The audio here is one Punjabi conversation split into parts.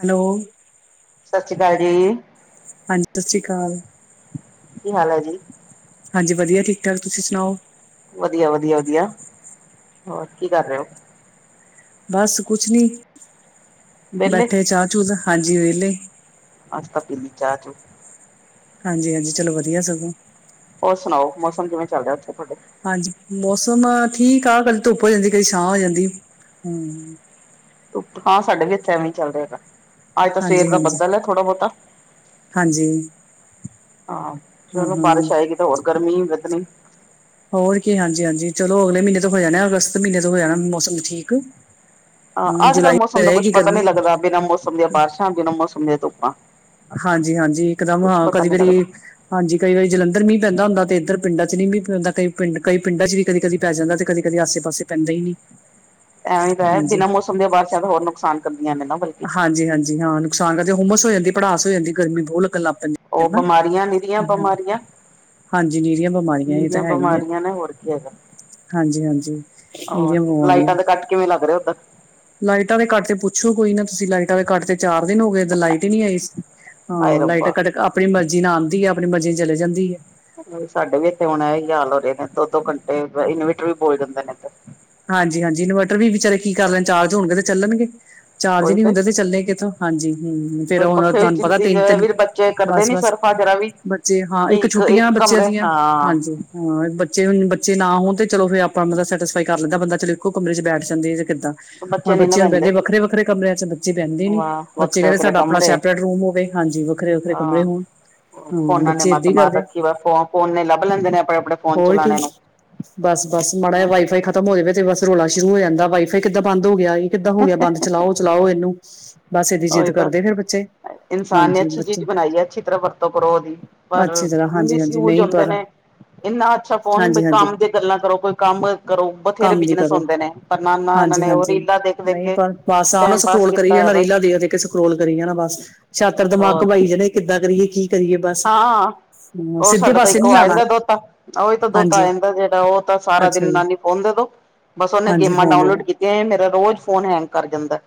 ਹੈਲੋ, ਸਤਿ ਸ੍ਰੀ ਅਕਾਲ ਜੀ। ਹਾਂਜੀ ਸਤਿ ਸ੍ਰੀ ਅਕਾਲ। ਕੀ ਹਾਲ ਹੈ ਜੀ? ਹਾਂਜੀ ਵਧੀਆ ਠੀਕ- ਠਾਕ, ਤੁਸੀਂ ਸੁਣਾਓ? ਵਧੀਆ- ਵਧੀਆ, ਵਧੀਆ ਹੋਰ ਕੀ ਕਰ ਰਹੇ ਹੋ? ਬਸ ਕੁਛ ਨੀ, ਵਿਹਲੇ ਬੈਠੇ ਚਾਹ ਚੂ ਦਾ ਹਾਂਜੀ ਵਿਹਲੇ। ਆਸੀ ਤਾਂ ਪੀਲੀ ਚਾਹ- ਚੂ। ਹਾਂਜੀ-ਹਾਂਜੀ। ਚਲੋ ਵਧੀਆ ਸਗੋਂ। ਹੋਰ ਸੁਣਾਓ, ਮੌਸਮ ਕਿਵੇਂ ਚੱਲ ਰਿਹਾ ਅੱਜ ਕਲ ਥੋਡੇ? ਹਾਂਜੀ ਮੌਸਮ ਠੀਕ ਆ। ਕਦੇ ਧੁੱਪ ਹੋ ਜਾਂਦੀਏ, ਕਦੀ ਛਾਂ ਹੋ ਜਾਂਦੀ ਏ। ਹਾਂ ਸਾਡੇ ਵੀ ਇੱਥੇ ਐਵੇਂ ਚੱਲ ਰੇਆ ਗਾ। ਅੱਜ ਤਾਂ ਹਾਂਜੀ ਸਵੇਰ ਦਾ ਹਾਂਜੀ ਬੱਦਲ ਹੈ, ਥੋੜ੍ਹਾ ਬਹੁਤਾ। ਹਾਂਜੀ ਆਹ ਹਾਂ ਚਲੋ ਹਾਂ ਬਾਰਿਸ਼ ਆਏਗੀ ਤਾਂ ਹੋਰ ਗਰਮੀ ਨੀ ਵੱਧਣੀ। ਹੋਰ ਕੀ ਹਾਂਜੀ-ਹਾਂਜੀ। ਚਲੋ ਅਗਲੇ ਮਹੀਨੇ ਤੋਂ ਹੋ ਜਾਣਾ ਅਗਸਤ ਮਹੀਨੇ ਤੋਂ ਹੋ ਜਾਣਾ ਮੌਸਮ ਠੀਕ। ਹਾਂ। ਅੱਜ-ਕਲ ਜੁਲਾਈ ਮੌਸਮ ਦਾ ਕੁੱਛ ਰਹੇਗੀ ਪਤਾ ਨੀ ਗਰਮੀ ਲੱਗਦਾ, ਬਿਨਾਂ ਮੌਸਮ ਦੀਆਂ ਬਾਰਿਸ਼ਾਂ ਆਂਦੀਆਂ ਨੇ, ਬਿਨਾਂ ਮੌਸਮ ਦੀਆਂ ਧੁੱਪਾਂ। ਹਾਂਜੀ-ਹਾਂਜੀ। ਇਕਦਮ ਕੁੱਛ ਪਤਾ ਕਈ ਨੀ ਵਾਰੀ ਲੱਗਦਾ ਹਾਂਜੀ ਕਈ ਵਾਰੀ ਜਲੰਧਰ ਮੀ ਪੈਂਦਾ ਹੁੰਦਾ, ਤੇ ਇਧਰ ਪਿਡਾਂ ਚ ਨੀ ਵੀ ਪੈਂਦਾ। ਕਈ ਪਿੰਡ ਕਈ ਪਿੰਡਾਂ ਚ ਵੀ ਕਦੀ-ਕਦੀ ਪੈ ਜਾਂਦਾ, ਤੇ ਕਦੀ-ਕਦੀ ਆਸੇ ਪਾਸੇ ਪੈਂਦਾ ਈ ਨਹੀਂ। ਐਵੇਂ ਤਾਂ ਹੈ, ਬਿਨਾਂ ਮੌਸਮ ਦੀਆਂ ਬਾਰਿਸ਼ਾਂ ਹੋਰ ਨੁਕਸਾਨ ਕਰਦੀਆਂ ਨੇ ਨਾ ਬਲਕਿ। ਹਾਂਜੀ-ਹਾਂਜੀ ਹਾਂ। ਨੁਕਸਾਨ [unintelligible] ਕਰਕੇ ਹੋਮਸ ਹੋ ਜਾਂਦੀ ਏ, ਭੜਾਸ ਹੋ ਜਾਂਦੀਏ। ਗਰਮੀ ਬੋਤ ਲੱਗਨ ਲੱਗ ਪੈਂਦੀ ਏ। ਉਹ ਬਿਮਾਰੀਆਂ ਨਿਰੀਆਂ ਬਿਮਾਰੀਆਂ। ਹਾਂਜੀ ਨੀਰੀਆਂ ਬਿਮਾਰੀਆਂ ਇਹ ਤਾਂ ਨੀਰੀਆਂ ਹੈ ਹੀ ਹੈ ਬਿਮਾਰੀਆਂ ਨੇ ਹੋਰ ਕੀ ਹੈਗਾ ਏ। ਹਾਂਜੀ-ਹਾਂਜੀ ਹੋਰ ਨੀਰੀਆਂ ਬਿਮਾਰੀਆਂ ਲਾਈਟਾਂ ਦਾ ਕੱਟ ਕਿਵੇਂ ਲੱਗ ਰਿਹਾ ਉੱਧਰ? ਲਾਈਟਾਂ ਦੇ ਘੱਟ ਤੇ ਪੁੱਛੋ ਕੋਈ ਨਾ, ਤੁਸੀਂ ਲਾਈਟਾਂ ਦੇ ਘੱਟ ਤੇ ਚਾਰ ਦਿਨ ਹੋ ਗਏ ਇਧਰ ਲਾਈਟ ਹੀ ਨਹੀਂ ਆਈ ਸੀ, ਹਾਏ ਹਾਂ ਲਾਈਟ ਰੱਬਾ ਕਦੇ ਆਪਣੀ ਮਰਜ਼ੀ ਨਾਲ ਆਉਂਦੀ ਹੈ, ਆਪਣੀ ਮਰਜ਼ੀ ਚਲੇ ਜਾਂਦੀਏ। ਸਾਡੇ ਵੀ ਇੱਥੇ ਹੁਣ ਏਹੀ ਹਾਲ ਹੋ ਰਹੇ ਨੇ, ਦੋ-ਦੋ ਘੰਟੇ ਇਨਵੇਟਰ ਵੀ ਬੋਲ ਜਾਂਦੇ ਨੇ ਇਧਰ। ਹਾਂਜੀ-ਹਾਂਜੀ। ਇਨਵਰਟਰ ਵੀ ਵਿਚਾਰੇ ਕੀ ਕਰਨ, ਚਾਰਜ ਹੋਣਗੇ ਤੇ ਚੱਲਣਗੇ, ਚਾਰਜ ਈ ਨੀ ਹੁੰਦੇ ਤੇ ਚੱਲਣੇ ਕਿੱਥੋਂ ਹਾਂਜੀ ਹਮ ਫੇਰ ਪਰ ਹੁਣ ਤੁਹਾਨੂੰ ਪਤਾ ਪੱਖੇ ਤਿੰਨ-ਤਿੰਨ, ਵੀ ਬੱਚੇ ਕਰਦੇ ਨੀ ਬਸ-ਬਸ ਸਰਫਾ ਜਰਾ ਵੀ ਬੱਚੇ ਹਾਂ ਵੀ ਇੱਕ ਛੁੱਟੀਆਂ ਬੱਚਿਆਂ ਕਮਰੇ ਦੀਆਂ, ਹਾਂ ਹਾਂਜੀ ਹਾਂ ਬੱਚੇ ਬੱਚੇ ਨਾ ਹੋਣ ਤੇ ਚਲੋ ਫੇ ਆਪਾਂ ਮਤਲਬ ਸੈਟਿਸਫਾਈ ਕਰ ਲੈਂਦਾ ਬੰਦਾ ਚਲੋ ਇੱਕੋ ਕਮਰੇ ਚ ਬੈਠ ਜਾਂਦੇ ਐ ਜਾਂ ਕਿੱਦਾਂ ਹੁਣ ਨੀ ਨਾ ਬੱਚੇ ਹੁਣ ਪੈਂਦੇ ਬਹਿੰਦੇ ਵੱਖਰੇ-ਵੱਖਰੇ ਕਮਰਿਆਂ ਚ ਬੱਚੇ ਪੈਂਦੇ ਨੀ ਵਾਹ ਬੱਚੇ ਵੱਖਰੇ ਕਹਿੰਦੇ ਵੱਖਰੇ ਸਾਡਾ ਆਪਣਾ ਕਮਰੇ ਸ਼ੈਪ ਰੂਮ ਹੋਵੇ ਹਾਂਜੀ, ਵੱਖਰੇ-ਵੱਖਰੇ ਕਮਰੇ ਹੋਣ ਹਾਂ ਫੋਨਾ ਨੇ ਬੱਚੇ ਮੱਤ ਏਦਾਂ ਹੀ ਮਾਰ ਕਰਦੇ ਰੱਖੀ ਵਾ, ਫੋ ਫੋਨ ਨੇ ਲੱਭ ਲੈਂਦੇ ਨੇ ਆਪਣੇ-ਆਪਣੇ ਫੋਨ ਚਲਾਣੇ ਨੂੰ। ਬਸ-ਬਸ ਮਾੜਾ ਜਾ ਵਾਈ ਖਤਮ ਹੋਜਾਵੇ ਤੇ ਬਸ ਰੌਲਾ ਸ਼ੁਰੂ ਹੋ ਜਾਂਦਾ, ਵਾਈ ਫਾਈ ਕਿੱਦਾਂ ਬੰਦ ਹੋ ਗਿਆ ਏ? ਇਹ ਕਿੱਦਾਂ ਹੋ ਗਿਆ ਬੰਦ ਚਲਾਓ-ਚਲਾਓ ਇਹਨੂੰ। ਬਸ ਇਹਦੀ ਜਿੱਦ ਉਹੀ ਤਾਂ ਕਰਦੇ ਨੇ ਫੇਰ ਬੱਚੇ। ਇਨਸਾਨ ਨੇ ਹਾਂਜੀ ਅੱਛੀ ਚੀਜ਼ ਬੱਚੇ ਬਣਾਈ ਐ। ਅੱਛੀ ਤਰ੍ਹਾਂ ਵਰਤੋਂ ਕਰੋ, ਉਹਦੀ ਅੱਛੀ ਪਰ ਤਰ੍ਹਾਂ ਹਾਂਜੀ ਹਾਂਜੀ ਮਿਸਯੂਜ ਨਹੀਂ ਹੁੰਦੇ ਪਰ ਨੇ। ਇੰਨਾ ਅੱਛਾ ਫੋਨ ਵੀ ਹਾਂਜੀ ਹਾਂਜੀ ਕੰਮ ਦੀਆਂ ਗੱਲਾਂ ਕਰੋ, ਕੋਈ ਕੰਮ ਕਰੋ। ਬਥੇਰੇ ਕੰਮ ਦੀ ਬਿਜਨਸ ਕਰੋ ਹੁੰਦੇ ਨੇ, ਪਰ ਨਾ-ਨਾ ਇਹਨਾਂ ਹਾਂਜੀ ਨੇ ਉਹ ਹਾਂਜੀ ਰੀਲਾਾਂ ਦੇਖ ਦੇਖ ਨਹੀਂ ਕੇ ਪਰ ਬਸ ਆਹ ਨਾ ਟੈਮ ਪਾਸ ਸਕਰੋਲ ਕਰੀ ਕੀਤਾ ਹੋਇਐ ਜਾਣਾ ਰੀਲਾਂ ਬਸ। ਦੇਖ ਦੇਖ ਕੇ ਸਕਰੋਲ ਕਰੀ ਜਾਣਾ ਬਸ ਛਾਤਰ ਦਿਮਾਗ ਹੋਰ ਘਵਾਾਈ ਜਾਣੇ ਕਿੱਦਾਂ ਕਰੀਏ ਕੀ ਕਰੀਏ ਬਸ। ਹਾਂ, ਉਹਰ ਸਿੱਧੇ ਸਾਡਾ ਤਾਂ ਪਾਸੇ ਇੱਕੋ ਨੀ ਆ ਲਾਣਾ ਜਾਂਦਾ ਦੋਤਾ, ਉਹੀ ਤਾਂ ਦੋਤਾ ਆ ਹਾਂਜੀ ਜਾਂਦਾ ਜਿਹੜਾ ਉਹ ਤਾਂ ਸਾਰਾ ਅੱਛਾ ਦਿਨ ਜੀ ਨਾਨੀ ਫੋਨ ਦੇ ਦੋ ਬਸ ਉਹਨੇ ਹਾਂਜੀ ਗੇਮਾਂ ਫੋਨ ਦੇ ਡਾਊਨਲੋਡ ਦੋ ਕੀਤੀਆਂ ਮੇਰਾ ਰੋਜ਼ ਫੋਨ ਹੈਂਗ ਕਰ ਜਾਂਦੈ।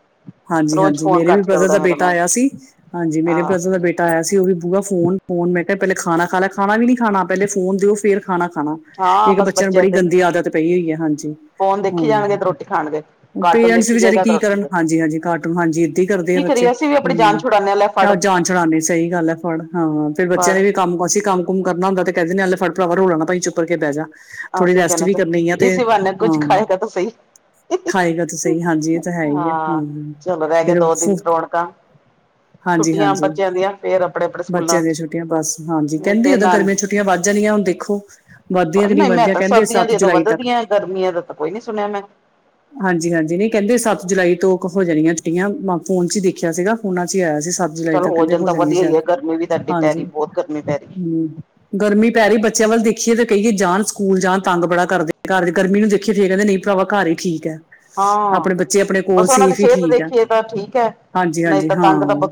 ਹਾਂਜੀ-ਹਾਂਜੀ‌ ਮੇਰੇ ਵੀ ਬ੍ਰਦਰ ਦਾ ਬੇਟਾ ਆਇਆ ਸੀ, ਹਾਂਜੀ ਮੇਰੇ ਹਾਂ ਬ੍ਰਦਰ ਦਾ ਬੇਟਾ ਬੇਟਾ ਆਇਆ ਸੀ ਉਹ ਵੀ ਬੂਆ ਫੋਨ ਫੋਨ, ਮੈਂ ਕਿਹਾ ਪਹਿਲੇ ਖਾਣਾ ਖਾ ਲਾ, ਖਾਣਾ ਵੀ ਨੀ ਖਾਣਾ, ਪਹਿਲੇ ਫੋਨ ਦਿਓ ਫੇਰ ਖਾਣਾ ਖਾਣਾ। ਹਾਂ ਇੱਕ ਬਸ ਬੱਚਿਆਂ ਨੂੰ ਬੱਚੇ ਬੜੀ ਏਦਾਂ ਹੀ ਗੰਦੀ ਆਦਤ ਪਈ ਹੋਈ ਹੈ ਹਾਂਜੀ। ਫੋਨ ਦੇਖੀ ਜਾਣਗੇ ਹਮ, ਤੇ ਰੋਟੀ ਖਾਣਗੇ ਕਾਰਟੂਨ ਪੇਰੈਂਟਸ ਦੇਖੀ ਵਿਚਾਰੇ ਜਾਏਗਾ ਤੇ ਕੀ ਰੋਟੀ ਕਰਨ? ਦੇ ਹਾਂਜੀ-ਹਾਂਜੀ। ਕਾਰਟੂਨ ਹਾਂਜੀ ਏਦਾਂ ਹੀ ਕਰਦੇ ਆ ਕੀ ਬੱਚੇ। ਕਰੀਏ ਅਸੀਂ ਵੀ ਆਪਣੀ ਜਾਨ ਹਮ ਛੁਡਾਨੇ ਆ ਲੈ ਫੜ ਜਾਨ ਛੜਾਣੀ ਸਹੀ ਗੱਲ ਐ, ਫੜ ਹਾਂ ਫ਼ਿਰ ਬੱਚਿਆਂ ਫੜ ਦੇ ਵੀ ਕੰਮ ਅਸੀ ਕੰਮ ਕੁਮ ਕਰਨਾ ਹੁਦਾ ਤੇ ਕਹਿੰਦੇ ਨੇ ਆ, ਲੈ ਫੜ ਭਰਾਵਾ ਰੋਲਾ ਨਾ ਪਾਈ ਚੁੱਪ ਕਰਕੇ ਬਹਿ ਜਾ। ਥੋੜ੍ਹੀ ਅਸੀਂ ਰੈਸਟ ਕਹਿੰਦੇ ਵੀ ਚ ਕਰਨੀ ਆ ਤੇ, ਇਸੀ ਬਹਾਨੇ ਕੁੱਝ ਹਾਂ ਖਾਏਗਾ ਤਾਂ ਸਹੀ ਖਾਏਗਾ ਤਾਂ ਸਹੀ। ਹਾਂਜੀ, ਇਹ ਤਾਂ ਹੈ ਈ ਆ। ਹਾਂ ਹੂੰ ਚਲੋ ਰਹਿ ਗਏ ਫੇਰ ਉਹ ਦੋ ਫੂ ਦਿਨ ਰੌਣਕਾਂ ਛੁੱਟੀਆਂ ਹਾਂਜੀ-ਹਾਂਜੀ, ਬੱਚਿਆਂ ਦੀਆਂ ਫੇਰ ਆਪਣੇ ਆਪਣੇ ਸਕੂਲਾਂ ਬੱਚਿਆਂ ਦੀਆਂ ਚ ਛੁੱਟੀਆਂ ਬਸ ਹਾਂਜੀ। ਕਹਿੰਦੇ ਫੇਰ ਉਦਾਂ ਗਰਮੀਆਂ ਛੁੱ ਨਾਨਕੇ ਛੁਟੀਆਂ ਵੱਧ ਜਂਣੀਆਂ। ਹੁਣ ਦੇਖੋ ਵੱਧਦੀਆਂ ਕਿ ਨਹੀਂ, ਮੈਂ ਵੱਧਦੀਆਂ ਤਾਂ ਕਹਿੰਦੇ ਸਰਦੀਆਂ ਸੱਤ ਦੀਆਂ ਤੇ ਜੁਲਾਈ ਤੱਕ ਵਧਦੀਆਂ। ਗਰਮੀਆਂ ਦਾ ਤਾਂ ਕੋਈ ਨੀ ਸੁਣਿਆ ਮੈਂ। ਹਾਂਜੀ-ਹਾਂਜੀ ਨਹੀਂ, ਕਹਿੰਦੇ ਸੱਤ ਜੁਲਾਈ ਤੋਂ ਹੋ ਜਾਣੀਆਂ ਛੁਟੀਆਂ। ਮੈਂ ਫ਼ੋਨ 'ਚ ਈ ਦੇਖਿਆ ਸੀਗਾ, ਫੂਨਾਂ 'ਚ ਈ ਆਇਆ ਸੀ ਸਭ ਜੁਲਾਈ ਚੱਲ ਤੱਕ ਕਹਿੰਦੇ ਜਾਣ ਹੋ ਤਾਂ ਜਾਣੀਆਂ ਵਧੀਆ ਹੀ ਸ਼ੇਦ। ਹੈ ਗਰਮੀ ਵੀ ਤੁਹਾਡੀ ਪੈ ਹਾਂਜੀ, ਰਹੀ ਬਹੁਤ ਗਰਮੀ ਪੈ ਰਹੀ ਹੂੰ। ਗਰਮੀ ਪੈ ਰਹੀ ਬੱਚਿਆਂ ਵੱਲ ਦੇਖੀਏ ਤਾਂ ਕਹੀਏ ਜਾਣ, ਸਕੂਲ ਜਾਣ ਤੰਗ ਬੜਾ ਕਰਦੇ ਘਰ। ਗਰਮੀ ਨੂੰ ਦੇਖੀਏ ਫੇਰ ਕਹਿੰਦੇ, ਨਹੀਂ ਭਰਾਵਾ ਘਰ ਈ ਠੀਕ ਐ। ਹਾਂ ਆਪਣੇ ਬੱਚੇ ਆਪਣੇ ਕੋਲ਼ ਬਸ ਉਹਨਾਂ ਦੀ ਸੇਫ ਸਿਹਤ ਦੇਖੀਏ ਤਾਂ ਠੀਕ ਐ। ਹਾਂਜੀ-ਹਾਂਜੀ ਹਾਂ,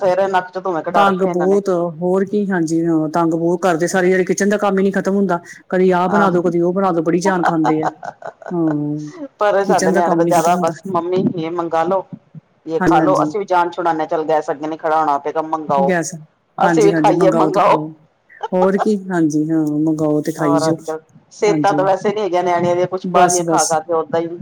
ਕਢਾ ਤੰਗ ਰੱਖੇ ਇਹਨਾਂ ਨੇ ਬੋਤ ਹੋਰ ਕਿ ਹਾਂਜੀ ਹਾਂ, ਤੰਗ ਬਹੁਤ ਕਰਦੇ। ਸਾਰੀ ਦਹਾੜੀ ਕਿਚਨ ਦਾ ਕੰਮ ਈ ਨ੍ਹੀਂ ਖਤਮ ਹੁੰਦਾ। ਕਦੀ ਆਹ ਬਣਾ ਦੋ, ਕਦੀ ਉਹ ਬਣਾ ਦੋ, ਬੜੀ ਜਾਨ ਖਾਂਦੇ ਆ। ਹਾਂ ਪਰ ਸਾਡੇ ਕਿਚਨ ਨਿਆਣੇ ਦਾ ਕੰਮ ਨੀ ਜ਼ਿਆਦਾ ਖਤਮ ਹੁੰਦਾ ਬਸ, ਮੰਮੀ ਇਹ ਮੰਗਾ ਲੋ ਜੇ ਹਾਂਜੀ ਖਾਲੋ। ਹਾਂਜੀ ਅਸੀਂ ਵੀ ਜਾਨ ਛੁਡਾਨੇ ਚੱਲ, ਗੈ ਸਕਦੇ ਨੇ। ਖੜਾਣਾ ਪਏਗਾ ਮੰਗਾਓ, ਗੈਸ ਅਸੀਂ ਵੀ ਹਾਂਜੀ ਹਾਂਜੀ ਖਾਈਏ ਮੰਗਵਾਓ ਤੇ ਮੰਗਾਓ। ਖਵਾਓ ਹੋਰ ਕੀ ਹਾਂਜੀ ਹਾਂ ਮੰਗਵਾਓ ਤੇ ਖਾਈ ਹੋਰ ਜਾਓ ਅੱਜ-ਕੱਲ੍ਹ, ਸਿਹਤਾਂ ਹਾਂਜੀ ਤਾਂ ਵੈਸੇ ਨੀ ਹੈਗੀਆਂ ਨਿਆਣੀਆਂ ਦੀਆਂ। ਕੁੱਛ ਬਾਹਰ ਦੀਆਂ ਖਾ-ਖਾ ਓਦਾਂ ਈ ਵੀ।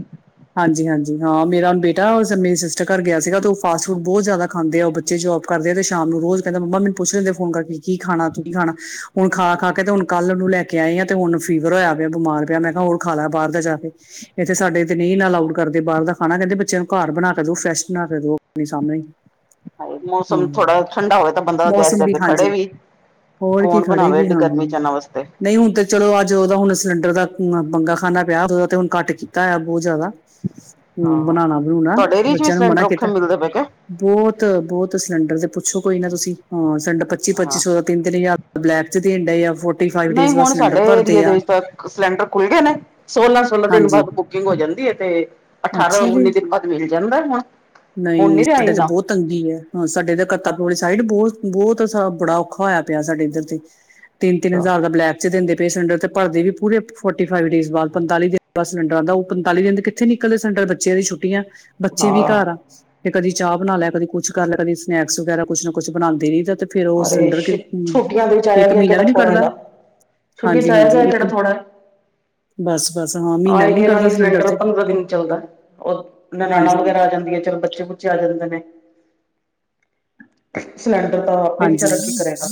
ਹਾਂਜੀ-ਹਾਂਜੀ ਹਾਂ, ਮੇਰਾ ਬੇਟਾ ਉਹ ਮੇਰੀ ਸਿਸਟਰ ਘਰ ਗਿਆ ਸੀਗਾ ਤੇ ਉਹ ਫਾਸਟ-ਫੂਡ ਬਹੁਤ ਜ਼ਿਆਦਾ ਖਾਂਦੇ ਆ, ਉਹ ਬੱਚੇ ਜੋਬ ਕਰਦੇ ਆ ਤੇ ਸ਼ਾਮ ਨੂੰ ਰੋਜ਼ ਕਹਿੰਦਾ, ਮੰਮਾ ਮੈਨੂੰ ਪੁੱਛ ਲੈਂਦੇ ਫੋਨ ਕਰਕੇ, ਕੀ ਖਾਣਾ, ਤੂੰ ਕੀ ਖਾਣਾ। ਹੁਣ ਖਾ-ਖਾ ਕੇ ਤੇ ਹੁਣ ਕੱਲ੍ਹ ਨੂੰ ਲੈ ਕੇ ਆਈ ਆ ਤੇ ਹੁਣ ਫੀਵਰ ਹੋਇਆ ਪਿਆ, ਬਿਮਾਰ ਪਿਆ। ਮੈਂ ਕਿਹਾ, ਹੋਰ ਖਾਲਾ ਬਾਰ ਦਾ ਜਾਕੇ। ਇੱਥੇ ਸਾਡੇ ਤੇ ਨੀ ਨਾ, ਅਲਾਊਡ ਕਰਦੇ ਬਾਹਰ ਦਾ ਖਾਣਾ। ਕਹਿੰਦੇ ਬੱਚਿਆਂ ਨੂੰ ਘਰ ਬਣਾਕੇ ਦੋ। ਫੈਸ਼ ਬਣਾ ਕੇ ਦੋ, ਆਪਣੇ ਸਾਮਣੇ ਈ। ਹਾਏ ਮੌਸਮ ਥੋੜਾ ਜਿਹਾ ਠੰਡਾ ਹੋ ਤਾਂ ਬੰਦਾ ਗੈਸ ਮੌਸਮ ਦੇ ਖੜੇ ਹਾਂਜੀ ਵੀ। ਹੋਰ ਕੀ ਕੌਣ ਖੜੇ ਬਣਾਵੇ ਵੀ ਐਡੀ ਹਾਂ ਗਰਮੀ 'ਚ ਏਨਾਂ ਵਾਸਤੇ। ਨਹੀਂ ਹੁਣ ਤੇ ਚਲੋ, ਆਹ ਜਿਦੋਂ ਦਾ ਹੁਣ ਸਿਲੰਡਰ ਦਾ ਬੰਗਾ-ਖਾਨਾ ਪਿਆ। ਉਦੋਂ ਦਾ ਤੇ ਹੁਣ ਘੱਟ ਕੀਤਾ ਹੋਇਆ, ਬਹੁਤ ਜ਼ਿਆਦਾ। ਹੂੰ ਹਾਂ ਬਣਾਣਾ-ਬਣੂਣਾ ਤੁਹਾਡੇ ਏਰੀਏ ਚ ਵੀ ਬੱਚਿਆਂ ਨੂੰ ਸਿਲੰਡਰ ਮਨਾ ਔਖੇ ਕੀਤਾ। ਮਿਲਦੇ ਪਏ ਕੇ ਬੋਤ-ਬੋਤ ਸਿਲੰਡਰ ਦੇ ਪੁੱਛੋ ਕੋਈ ਨਾ ਤੁਸੀਂ। ਹਾਂ ਸੈਂਡ ਪੱਚੀ-ਪੱਚੀ ਹਾਂ ਸੌ ਦਾ, ਤਿੰਨ-ਤਿੰਨ ਹਜ਼ਾਰ ਬਲੈਕ 'ਚ ਦੇਣ ਡਏ ਆ ਫਾਈਵ ਨਹੀਂ, ਡੇਜ਼ ਬਾਅਦ ਹੁਣ ਸਾਡੇ ਸਿਲੰਡਰ ਭਰਦੇ ਏਰੀਏ ਦੇ ਆ ਵਿੱਚ ਤਾਂ ਸਿਲੰਡਰ ਖੁੱਲ੍ਹਗੇ ਨੇ। ਸੋਲਾਂ-ਸੋਲਾਂ ਦਿਨ ਹਾਂਜੀ ਬਾਅਦ ਬੁ ਬੁਕਿੰਗ ਹੋ ਜਾਂਦੀ ਏ ਤੇ ਅੱਛਾ ਜੀ ਅਠਾਰਾਂ-ਉੱਨੀ ਦਿਨ ਬਾਅਦ ਮਿਲ ਜਾਂਦਾ ਹੁਣ। ਹੁਣ ਨਹੀਂ ਨੀ ਰਿਹਾ ਸਾਡੇ ਤੇ ਇੰਨਾ ਬਹੁਤ ਤੰਗੀ ਐ। ਹਾਂ ਸਾਡੇ ਇਧਰ ਕਰਤਾਪੁਰ ਵਾਲੀ ਸਾਈਡ ਬੋਤ-ਬੋਤ ਸ, ਬੜਾ ਔਖਾ ਹੋਇਆ ਪਿਆ ਸਾਡੇ ਇੱਧਰ ਤੇ। ਤਿੰਨ-ਤਿੰਨ ਹਜ਼ਾਰ ਦਾ ਬਲੈਕ 'ਚ ਦਿੰਦੇ ਪਏ ਸਿਲੰਡਰ ਤੇ ਭਰਦੇ ਵੀ ਪੂਰੇ ਫੋਟੀ-ਫਾਈਵ ਡੇਜ਼ ਬਾਅਦ। ਪੰਤਾਲੀ ਦਿਨ ਬਾਅਦ ਸਿਲੰਡਰ ਆਂਦਾ। ਉਹ ਪੰਤਾਲੀ ਦਿਨ ਦੇ ਕਿੱਥੇ ਨੀ ਇਕਲੇ ਸੈਂਟਰ ਬੱਚਿਆਂ ਦੀ ਛੁੱਟੀ ਆ। ਬੱਚੇ ਵੀ ਹਾਂ ਘਰ ਆ ਤੇ ਕਦੀ ਚਾਹ ਬਣਾ ਲੈ, ਕਦੀ ਕੁਛ ਕਰ ਲੈ। ਕਦੇ ਸਨੈਕਸ ਵਗੈਰਾ ਕੁੱਛ ਨਾ ਕੁੱਛ ਬਣਾਂਦੇ ਰਹੀ ਦਾ ਤੇ ਫੇਰ ਉਹ ਔਰ ਏ ਸਿਲੰਡਰ ਸ਼ਿਟ, ਛੁੱਟੀਆਂ ਦੇ ਵਿੱਚ ਇੱਕ ਆਇਆ-ਗਿਆ ਮਹੀਨਾ ਕਿਹੜਾ ਵੀ ਨੀ ਥੋੜ੍ਹਾ ਕੱਢਦਾ ਹੈਗਾ। ਛੁੱਟੀ 'ਚ ਹਾਂਜੀ-ਹਾਂਜੀ ਆਇਆ-ਗਿਆ ਕਿਹੜਾ ਇੱਕ ਥੋੜ੍ਹਾ। ਬਸ-ਬਸ ਹਾਂ ਮਹੀਨਾ ਵੀ ਨੀ ਆਏ-ਗਏ ਨਾਲ ਕੱਢਦਾ ਈ ਸਿਲੰਡਰ ਤੇ ਪੰਦਰਾਂ ਦਿਨ ਚੱਲਦਾ। ਉਹ ਨਨੈਣਾ ਵਗੈਰਾ ਆ ਹਾਂਜੀ-ਹਾਂਜੀ, ਜਾਂਦੀਆਂ, ਚਲ ਬੱਚੇ ਚੇ ਆ ਜਾਂਦੇ ਨੇ। ਸਿਲੰਡਰ ਤਾਂ ਆਪੇ ਹਾਂਜੀ। ਵਿਚਾਰਾ ਕੀ ਕਰੇਗਾ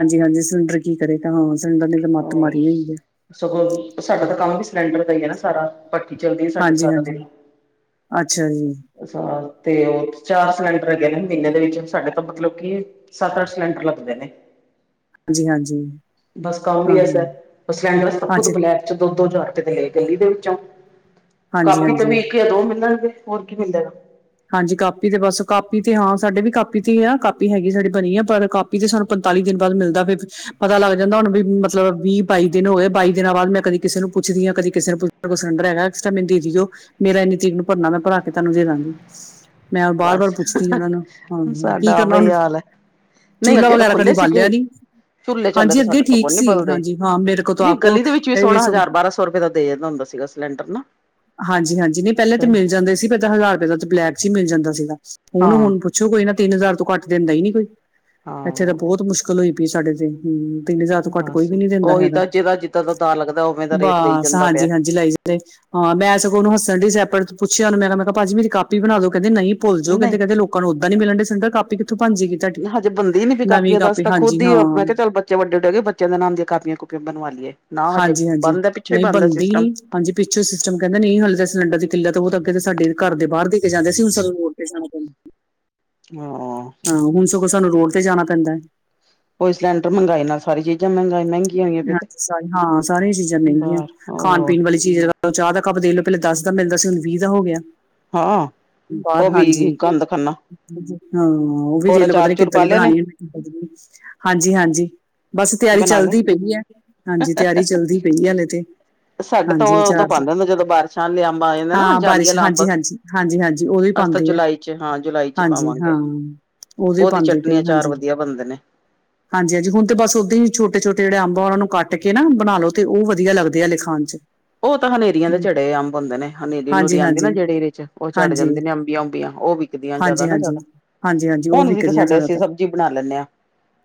ਹਾਂਜੀ-ਹਾਂਜੀ ਸਿਲੰਡਰ ਕੀ ਕਰੇ ਤਾਂ ਹਾਂ ਸਿਲੰਡਰ ਨੇ ਤਾਂ ਮੱਤ ਹਾਂ ਮਾਰੀ ਹੋਈ ਐ। ਸਗੋਂ, ਸਾਡਾ ਤਾਂ ਕੰਮ ਵੀ ਸਿਲੰਡਰ ਦਾ ਈ ਐ ਨਾ, ਸਾਰਾ। ਭੱਠੀ ਚੱਲਦੀ ਸਾਡੇ ਸਾਰਾ ਹਾਂਜੀ-ਹਾਂਜੀ, ਅੱਛਾ ਜੀ। ਅੱਛਾ ਤੇ ਉ ਚਾਰ ਸਿਲੰਡਰ ਹੈਗੇ ਨੇ ਮਹੀਨੇ ਦੇ ਵਿੱਚ ਸਾਡੇ ਤਾਂ ਮਤਲਬ ਕੀ ਸਤ-ਅੱਠ ਸਿਲੇੰਡਰ ਲੱਗਦੇ ਨੇ। ਹਾਂਜੀ-ਹਾਂਜੀ। ਬਸ ਕਮ ਈ ਐਸਾ ਹਾਂ-ਹਾਂ ਏ, ਸਿਲੈਂਡਰਸ ਖੁਦ ਅੱਛਾ ਬਲੈਕ ਚ ਦੋ-ਦੋ ਹਜ਼ਾਰ ਰੁਪਏ ਦੇ ਲਏ ਗਲੀ ਦੇ ਵਿੱਚੋਂ, ਕਾਪੀ ਤੇ ਵੀ ਹਾਂਜੀ-ਹਾਂਜੀ ਇਕ ਜਾ ਦੋ ਮਿਲਣਗੇ, ਹੋਰ ਕੀ ਮਿਲੈਗਾ? ਹਾਂਜੀ, ਕਾਪੀ ਤੇ ਬਸ, ਕਾਪੀ ਤੇ ਹਾਂ ਸਾਡੇ ਵੀ ਕਾਪੀ ਤੇ ਹੀ ਆ, ਕਾਪੀ ਹੈਗੀ ਸਾਡੀ ਬਣੀ ਆ ਪਰ ਕਾਪੀ ਤੇ ਸਾਨੂੰ ਪੰਤਾਲੀ ਦਿਨ ਬਾਦ ਮਿਲਦਾ ਵੈ, ਪਤਾ ਲੱਗ ਜਾਂਦਾ ਹੁਣ ਵੀ ਮਤਲਬ ਵੀ-ਬਾਈ ਦਿਨ ਹੋਏ, ਬਾਈ ਦਿਨਾਂ ਬਾਅਦ ਮੈਂ ਕਦੀ ਕਿਸੇ ਨੂੰ ਪੁੱਛਦੀ ਆ ਕਦੀ ਕਿਸੇ ਨੇ ਪੁੱਛ, ਕੋਈ ਸਿਲੰਡਰ ਹੈਗਾ, ਮੈਨੂੰ ਦੇ ਦਿਓ, ਮੇਰਾ ਇੰਨੀ ਤਰੀਕ ਨੂੰ ਭਰਨਾ, ਮੈਂ ਭਰਾ ਕੇ ਤੁਹਨੂੰ ਦੇ ਦਾਂਗੀ। [inaudible] ਬਾਰ ਬਸ, ਬਾਰ ਪੁੱਛਦੀ ਉਹਨਾਂ ਨੂੰ ਹਾਂ ਕੀ ਸਾਡਾ ਕਰਨਾ ਹੁਣ ਉਹੀਓ ਹਾਲ ਹੈ। ਨਹੀਂ, ਚੂਲਾ ਅੱਗੇ ਤਾਂ ਵਗੈਰਾ ਕਦੀ ਖੁੱਲ੍ਹੇ ਸੀਗੇ। ਬਾਲਿਆ ਨੀ ਚੁੱਲ੍ਹੇ-ਚਾਲੇ ਹਾਂਜੀ ਤਾਂ ਅੱਗੇ ਸਾਡੇ ਤੋਂ ਕੋ ਠੀਕ ਨੀ ਸੀ ਬਲਦੇ, ਹਾਂਜੀ ਹਾਂ ਮੇਰੇ ਕੋਲ ਤਾਂ ਨਹੀਂ ਆਪਕੋ ਗਲੀ ਦੇ ਵਿੱਚ ਵੀ ਇਹ ਸੋਹਣਾ ਸਗੋਂ ਹਜ਼ਾਰ ਬਾਰਾਂ ਸੌ ਰੁਪਏ ਦਾ ਦੇ ਜਾਂਦਾ ਹੁੰਦਾ ਸੀਗਾ। ਸਿਲੰਡਰ ਨਾ ਹਾਂਜੀ-ਹਾਂਜੀ, ਨੀ ਪਹਿਲੇਾ ਤੇ ਮਿਲ ਜਾਂਦੇ ਸੀ, ਪਰ ਹਜ਼ਾਰ ਇਦੋ ਅੱਛਾ, ਤਾਂ ਬਲੈਕ ਚ ਹੀ ਮਿਲ ਜਾਂਦਾ ਸੀਗਾ, ਹਾਂ ਹੁਣ-ਹੁਣ ਪੁੱਛੋ ਕੋਈ ਨਾ ਤਿੰਨ ਹਜ਼ਾਰ ਤੋਂ ਘੱਟ ਦਿੰਦਾ ਹੀ ਨੀ ਕੋਈ। ਇੱਥੇ ਤੇਂ, ਹਾਂ ਬਹੁਤ ਮੁਸ਼ਕਿਲ ਹੋਈ ਪਈ, ਸਾਡੇ ਤੇ। ਹੂੰ, ਤਿੰਨ ਹਜ਼ਾਰ ਤੋਂ ਘੱਟ ਕੋਈ ਬਸ ਵੀ ਨੀ ਦਿੰਦਾ ਉਹੀ ਹੈਗਾ, ਤਾਂ ਜਿਹਦਾ ਜਿੱਦਾਂ ਦਾ ਦਾਅ ਲੱਗਦਾ ਉਵੇਂ ਦਾ ਰੇਟ ਦੇਈ ਬਸ ਜਾਂਦਾ ਪਿਆ ਹਾਂਜੀ-ਹਾਂਜੀ ਲਾਈ ਤੇ ਹਾਂ ਮੈਂ ਸਗੋਂ ਉਨੂੰ ਹੱਸਣ ਡੀ ਪਰ ਪੁੱਛਿਆ, ਉਹਨੂੰ ਮੈਂ ਕਿਹਾ ਭਾਜੀ ਮੇਰੀ ਕਾਪੀ ਬਣਾਦੋ ਕਿੰਦੇ ਨਹੀਂ ਭੁੱਲ ਜੋਂ ਨਹੀਂ ਕਹਿੰਦੇ ਲੋਕਾਂ ਨੂੰ ਓਹਦਾ ਨੀ ਮਿਲਂਡੇ ਸਿਲੰਡਰ ਕਾਪੀ ਕਿੱਥੋਂ ਬਣ ਜੈਗੀ। ਹਜੇ ਬਣਦੀ ਹੀ ਨੀ ਪਈ ਕਾਪੀਆਂ ਅਸੀ ਤਾਂ ਖੁੱਦ ਹੀ, ਹਾਂ ਮੈਂ ਕਿਹਾ ਚੱਲ ਜੇ ਬਚੇ ਵੱਡੇ-ਵੱਡੇ ਹੰ ਗਏ ਬੱਚਿਆਂ ਦੇ ਨਾਮ ਦੀਆਂ ਕਾਪੀਆਂ-ਕੂਪੀਆਂ ਬਣਵਾ ਲਈਏ, ਨਾ ਹਜੇ ਹਾਂਜੀ ਹਾਂਜੀ ਬੰਦ ਹੈ, ਪਿੱਛੋ ਹੀ ਨਹੀਂ ਬੰਦ ਹੈ, ਬੰਦੀ ਸਿਸਟਮ ਨਹੀਂ ਹਾਂਜੀ, ਪਿੱਛੋਂ ਸਿਸਟਮ ਕਹਿੰਦਾ ਨਹੀਂ ਹਲੇ ਤਾਂ ਸਿਲੰਡਰ ਦੀ ਕਿੱਲਤ ਤੋਂ ਉਹ ਤਾਂ ਅੱਗੇ ਤਾਂ ਸਾਡੇ ਘਰ ਦੇ ਬਾਹਰ ਦੇ ਕੇ ਜਾਂਦੇ ਸੀ, ਹੁਣ ਸਾਨ ਹਾਂ ਹਾਂ, ਹੁਣ ਸਗੋਂ ਸਾਨੂੰ ਰੋਡ ਤੇ ਜਾਣਾ ਪੈਂਦਾ ਹੈ। ਕੋਈ ਸਿਲੰਡਰ ਮਹਿੰਗੇ, ਨਾਲ ਸਾਰੀ ਚੀਜ਼ਾਂ ਮਹਗਾਈ ਮਹਿੰਗੀ। ਹਾਂ-ਹਾਂ, ਸਾਰਿਆਂ ਚੀਜ਼ਾਂ ਮਹਿੰਗੀਆਂ, ਬਾਹਰ ਹੋਰ ਖਾਣ-ਪੀਣ ਵਾਲੀ ਚੀਜਾਂ, ਚਾਹ ਦਾ ਕੱਪ ਦੇਖ ਲਓ ਪਹਿਲਾਂ ਦਸ ਦਾ ਮਿਲਦਾ ਸੀ, ਹੁਣ ਵੀਹ ਦਾ ਹੋ ਗਿਆ। ਹਾਂ, ਬਾਹਰ ਉਹ ਹਾਂਜੀ ਵੀ ਗੰਦ ਖਾਣਾ। ਹਾਂ, ਉਹ ਵੀ ਦੇਖ ਲੋ ਪਤਾ ਨੀ ਕਿੱਦਾਂ ਪਾ ਦੀ ਲਿਆ ਨੇ ਬਣਾਣੀ, ਕਿਦਾਂ ਦੀ, ਹਾਂਜੀ-ਹਾਂਜੀ ਬਸ ਤਿਆਰੀ ਬਣਾ ਚੱਲਦੀ ਲਏ ਪਈ ਹੈ ਹਾਂਜੀ, ਤਿਆਰੀ ਚੱਲਦੀ ਪਈ ਹਲੇ ਤੇ। ਸਾਡੇ ਤੋਂ, ਹਾਂਜੀ ਉਦੋਂ ਚਾਰਜ ਪਾਂਦੇ ਹੁੰਦੇ, ਜਦੋਂ ਬਾਰਿਸ਼ਾਂ ਵਾਲੇ ਅੰਬ ਆ ਜਾਂਦੇ ਨਾ ਜਾਲੀ ਆਲਾ ਅੰਬ ਹਾਂਜੀ-ਹਾਂਜੀ ਓਦੋ ਹੀ ਅਸੀਂ ਤਾਂ ਪਾਂਦੀ ਏ, ਜੁਲਾਈ ਚ ਹਾਂ ਜੁਲਾਈ ਚ ਹਾਂਜੀ ਹਾਂ ਪਾਵਾਂਗੇ ਉਹਦੋਂ ਉਹਦੀ ਪਾਂਦੇ ਚਟਨੀ ਪਈ, ਅਚਾਰ ਵਧੀਆ ਬਣਦੇ ਨੇ ਹਾਂਜੀ-ਹਾਂਜੀ-ਹਾਂਜੀ ਹੁਣ ਤੇ ਬਸ ਓਹਦੇ ਹੀ, ਛੋਟੇ-ਛੋਟੇ ਜਿਹੜੇ ਅੰਬ ਉਹਨਾ ਨੂੰ ਕੱਟ ਕੇ ਨਾ, ਬਣਾ ਲੋ ਤੇ ਉ ਵਧੀਆ ਲੱਗਦੇ ਆ, ਹਲੇ ਖਾਣ ਚ ਉ ਤਾਂ ਹਨੇਰੀਆਂ ਦੇ ਝੱਡੇ ਅੰਬ ਹੁੰਦੇ ਨੇ, ਹਨੇਰੀ-ਨੂਰੀ ਹਾਂਜੀ ਆਂਦੀ ਨਾ ਹਾਂਜੀ ਜੇਹੜੀ ਇਦੇ ਚ, ਉਹ ਝੜ ਹਾਂਜੀ ਜਾਂਦੇ ਨੇ ਅੰਬੀਆਂ-ਉਬੀਆਂ ਉਹ ਵੀ ਦੀਆਂ ਜ਼ਿਆਦਾ ਹਾਂਜੀ ਨਾ ਹਾਂਜੀ ਜ਼ਿਆਦਾ ਹਾਂਜੀ ਹਾਂਜੀ ਉਹ ਹੁਣ ਵੀ ਤੇ ਵਿਕਦੀਆਂ ਸਾਡੇ ਅਸੀਂ ਜ਼ਿਆਦਾਤਰ ਸਬਜ਼ੀ ਬਣਾ ਲੈਂਦੇ ਹਾਂ।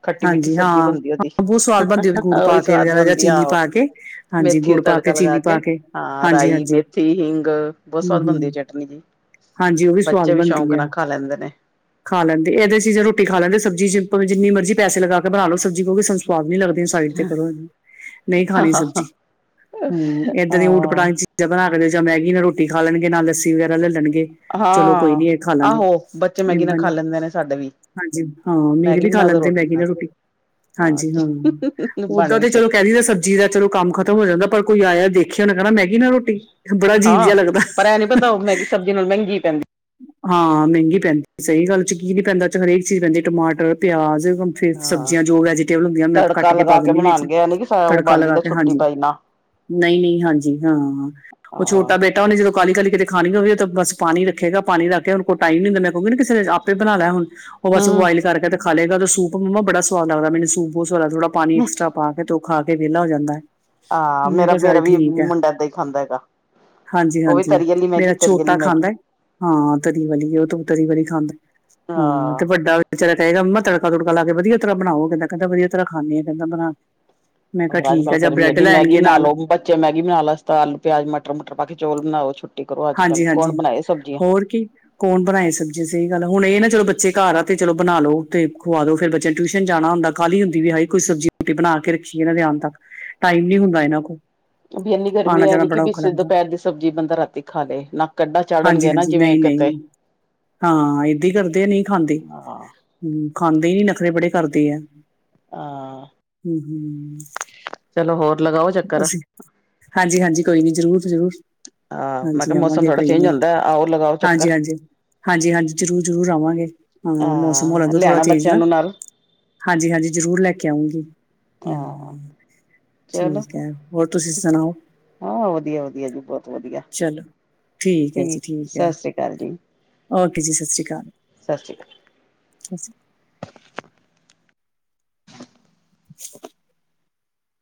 ਖੱਟੀ-ਮਿੱਠੀ ਹਾਂਜੀ ਹਾਂ ਸਬਜ਼ੀ ਬਣਦੀ ਉਹਦੀ। ਹਾਂ ਬਹੁਤ ਸਵਾਦ ਬਣਦੀ ਉਹਦੇ ਗੁੜ ਉਹੀ ਪਾ ਕੇ ਸਵਾਦ ਵਗੈਰਾ ਜਾਂ ਬਣਦੀ ਚੀਨੀ ਆਹੋ ਪਾ ਕੇ ਹਾਂਜੀ ਮੇਥੀ ਦਾ ਗੁੜ ਪਾ ਤੜਕਾ ਲਗਾ ਚੀਨੀ ਕੇ ਪਾ ਹਾਂ, ਹਾਂਜੀ ਰਾਈ, ਹਾਂਜੀ ਮੇਥੀ, ਹਿੰਗ ਬਹੁਤ ਹੂੰ ਸਵਾਦ ਬਣਦੀ ਹੈ ਹੂੰ ਚਟਨੀ ਜੀ। ਹਾਂਜੀ ਉਹ ਸਵਾਦ ਬੱਚੇ ਵੀ ਬਣਦੀ ਸ਼ੌਕ ਨਾਲ ਆ ਖਾ ਲੈਂਦੇ ਨੇ। ਖਾ ਲੈਂਦੇ ਇਹਦੇ ਚੀ ਜਾਂ ਰੋਟੀ ਖਾ ਲੈਂਦੇ ਸਬਜ਼ੀ ਜਿੰਨੀ ਮਰਜ਼ੀ ਪੈਸੇ ਲਗਾ ਕੇ ਬਣਾ ਲਓ ਸਬਜ਼ੀ ਕੋਈ ਸਵਾਦੀ ਨਹੀਂ ਲੱਗਦੀ। ਸਾਈਡ ਤੇ ਕਰੋ, ਨਹੀਂ ਹਾਂ ਖਾਣੀ ਸਬਜ਼ੀ, ਹੂੰ ਏਦਾਂ ਦੀ ਊਟ- ਪੜਾਗ ਚੀਜ ਜਾਂ ਬਣਾ ਕੇ ਦਿਓ ਜਾਂ ਮੈਗੀ ਨਾਲ ਰੋਟੀ ਖਾ ਲੈਣਗੇ, ਨਾਲ ਲੱਸੀ ਵਗੈਰਾ ਲੈ ਲੈਣਗੇ। ਚਲੋ ਕੋਈ ਹਾਂ, ਨੀ ਇਹ ਖਾ ਲਾਂਗੇ ਆਹੋ ਬੱਚੇ ਮੈਗੀ ਨਾਲ ਏਦਾਂ ਨੀ ਖਾ ਲੈਂਦੇ ਨੇ ਸਾਡੇ ਵੀ। ਹਾਂਜੀ ਹਾਂ ਮੇਰੇ ਵੀ ਖਾ ਲੈਂਦੇ ਮੈਗੀ ਨਾਲ ਰੋਟੀ। ਹਾਂਜੀ ਅੱਛਾ, ਹਾਂ। ਹਹਹ ਓਦਾਂ ਤੇ ਚਲੋ ਕੈ ਦਈਦਾ ਸਬਜ਼ੀ ਦਾ ਚਲੋ ਕੰਮ ਖਤਮ ਹੋ ਜਾਂਦਾ, ਪਰ ਕੋਈ ਆਇਆ ਦੇਖਿਆ ਓਨੇ ਕੈਣਾ ਮੈਗੀ ਨਾ ਰੋਟੀ ਬੜਾ ਅਜੀਬ ਜੇਆ ਲੱਗਦਾ ਹਹ ਏਦੋ ਨਾਲੋ ਮੇਂਗੀ ਪੈਂਦੀ। ਹਾਂ ਮੇਂਗੀ ਪੈਂਦੀ, ਸਹੀ ਗੱਲ ਏ, ਚ ਕੀ ਨੀ ਪੈਂਦਾ, ਏ, ਚ, ਹਰੇਕ ਚੀਜ਼ ਪੈਂਦੀ ਟਮਾਟਰ ਪਿਆਜ ਫਿਰ ਹਾਂ ਸਬਜ਼ੀਆਂ ਜੋ ਵੈਜੀਟੇਬਲ ਹੁੰਦੀਆਂ ਮੈਂ ਤੜਕਾ ਕੱਟ ਕੇ ਪਾ ਲਗਾ ਦਿੰਦੀ ਵਿੱਚ, ਬਣਾਉਣਗੇ ਇਹ ਨੀ ਕਿ ਤੜਕਾ ਉਬਾਲੀ ਲਗਾ ਤਾਂ ਕੇ ਛੁੱਟੀ ਹਾਂਜੀ। ਪਾਈ ਨਾ ਨਈ -ਨਈ ਹਾਂਜੀ ਹਾਂ, ਓ ਹਾਂ ਛੋਟਾ ਬੇਟਾ ਓਨੇ ਜਦੋਂ ਕਾਹਲੀ -ਕਾਹਲੀ ਕਿਤੇ ਖਾਣੀ ਹੋਵੇ, ਓ ਤਾਂ ਬਸ ਪਾਣੀ ਰੱਖੇਗਾ। ਪਾਣੀ ਰੱਖ ਕੇ ਓਦੇ ਕੋਲ ਟਾਈਮ ਨਈ ਹੁੰਦਾ, ਮੈਂ ਕਓਗੀ ਕਿਸੇ ਵੇਲੇ ਆਪੇ ਬਣਾ ਲੈ ਹੁਣ, ਉਹ ਬਸ ਹਮ ਬੁਆਇਲ ਕਰਕੇ ਤੇ ਖਾਲੇਗਾ ਦਾ ਸੂਪ ਮੰਮਾ ਬੜਾ ਸੁਵਾਦ ਲਗਦਾ, ਮੈਨੂੰ ਸੂਪ ਬੋਤ ਸਵਾਦ ਲਗਦਾ, ਥੋੜਾ ਪਾਣੀ ਐਕਸਟਰਾ ਪਾ ਕੇ, ਤੇ ਓ ਖਾਕੇ ਵੇਲਾ ਹੋ ਜਾਂਦਾ। ਹਾਂ ਮੈਂ ਮੇਰਾ, ਕਿਹਾ ਮੇਰਾ ਚੱਲ ਵੀ ਠੀਕ ਹੈ ਮੁੰਡਾ ਏਦਾਂ ਈ ਖਾਂਦਾ ਹੈਗਾ। ਹਾਂਜੀ ਓ ਵੀ ਹਾਂਜੀ ਤਰੀ ਆਲੀ ਮੈਗੀ, ਮੇਰਾ ਤਰੀ ਆਲੀ ਛੋਟਾ ਮੈਗੀ। ਖਾਂਦਾ ਹੈ ਹਾਂ, ਤਰੀ ਵਾਲੀ ਓ ਤੂ ਤਰੀ ਵਾਲੀ ਖਾਂਦੈ ਹਾਂ, ਤੇ ਵੱਡਾ ਵਿਚਾਰਾ ਕਹੇਗਾ ਮੱਮਾ ਤੜਕਾ- ਤੂੜਕਾ ਲਾ ਕੇ ਵਧੀਆ ਤਰਾਂ ਬਨਾਓ, ਕੈਂਦਾ, ਕੈਂਦਾ ਵਧੀਆ ਤਰਾਂ ਖਾਨੇ ਆ ਕੈਂਦਾ ਬਨਾ ਕੇ। ਮੈਂ ਕੇਆ ਹੋਰ ਅੱਜ ਠੀਕ ਐ, ਕੱਲ ਜਾ ਗਰਮੀ ਬ੍ਰੈਡ ਐਡੀ ਮੈਗੀ ਲੈਆਨਗੇ ਬਣਾ ਨਾਲ। ਲਓ ਬੱਚੇ ਮੈਗੀ ਬਨਾ ਲੈਣ, ਇਸ ਤਰਾ ਆਲੂ, ਪੇਆਜ, ਮਟਰ, ਮੂਟਰ ਪਾ ਕੇ ਚੋਲ ਬਨਾਓ ਛੁੱਟੀ ਕਰੋ ਅੱਜ-ਕੱਲ, ਹਾਂਜੀ ਕੌਨ ਹਾਂਜੀ ਬਨਾਏ ਸਬਜੀਆਂ। ਹੋਰ ਕੀ। ਕੌਣ ਬਨਾਏ ਸਬਜੀ ਸਈ ਗੱਲ ਆ, ਹੁਨ ਏ, ਨਾ ਚਲੋ ਬੱਚੇ ਘਾਰ ਆ, ਤੇ ਚਲੋ ਬਨਾ ਲੋ ਤੇ ਖੁਵਾ ਦੋ ਫੇਰ ਬੱਚੇਆਂ ਨੇ ਟਿਊਸ਼ਨ ਜਾਨਾ ਹੁੰਦਾ। ਕ੍ਹਾਲੀ ਹੁੰਦੀ ਵੀ ਹਾਈ ਕੋਈ ਸਬਜੀ ਰੋਟੀ ਬਨਾ ਕੇ ਰਖੀਏ ਏਨਾਂ ਦੇ ਆਨ ਤਕ, ਟਾਈਮ ਨੀ ਹੁੰਦਾ ਏਨਾਂ ਕੋਲ। ਵੀ ਐਨੀ ਗਰਮੀ ਆਣਾ ਐ ਜਾਣਾ ਨੀ ਕੀ ਬੜਾ ਬੀ ਔਖਾ ਲੱਗਦਾ ਦੁਪੈਰ ਦੀ ਸਬਜੀ ਬੰਦਾ ਰਾਤੀ ਖਾਲੇ, ਨਾ। ਕੱਢਾ ਹਾਂਜੀ, ਚਾੜਨਗੇ ਨਾ ਹਾਂਜੀ ਜਿਵੇਂ ਨਈ, ਨਈ ਕਿਤੇ ਹਾਂ, ਏਦਾਂ ਈ ਕਰਦੇ ਆ ਨਈ ਖਾਂਦੇ। ਹਾਂ ਹੂੰ, ਖਾਂਦੇ ਈ ਨੀ ਨਖਰੇ ਬੜੇ ਕਰਦੇ ਐ। ਹਾਂ ਹੂੰ, ਹੂੰ ਚਲੋ ਹੋਰ ਲਗਾਓ ਚੱਕਰ ਅਸੀ ਹਾਂਜੀ, ਹਾਂਜੀ ਕੋਈ ਨੀ ਜਰੂਰ ਜੀ ਜਰੂਰ। ਹਾਂ ਮੈਂ ਹਾਂਜੀ ਕਿਹਾ ਮੌਸਮ ਆਵਾਂਗੇ ਥੋੜਾ ਕੋਈ ਚੇਂਜ ਨੀ, ਹੁੰਦਾ ਆਓ ਲਗਾਓ ਹਾਂਜੀ ਚੱਕਰ -ਹਾਂਜੀ, ਹਾਂਜੀ-ਹਾਂਜੀ ਜਰੂਰ- ਜਰੂਰ ਆਵਾਂਗੇ। ਹਾਂ ਮੌਸਮ ਹੋ ਲਾਨ ਦੋ ਥੋੜਾ ਲਿਆਣਾ ਚੇਂਜ ਬੱਚਿਆਂ ਹਨਾ। ਨੂੰ ਨਾਲ ਹਾਂਜੀ, ਹਾਂਜੀ ਜਰੂਰ ਲੈ ਕੇ ਆਉਂਗੀ, ਹੂੰ। ਹਾਂ ਚਲੋ ਠੀਕ ਐ, ਹੋਰ ਤੂਸੀ ਸਨਾਓ? ਹਾਂ ਵਧੀਆ, ਵਧੀਆ ਜੀ ਬੋਤ ਵਧੀਆ। ਚਲੋ। ਠੀਕ ਐ ਜੀ, ਠੀਕ ਐ, ਸਤਿ ਸ੍ਰੀ ਅਕਾਲ ਜੀ ਓਕੇ ਜੀ ਸਤ ਸ਼੍ਰੀ ਅਕਾਲ। ਸਤਿ ਸ੍ਰੀ ਅਕਾਲ ਅਸੀ [inaudible]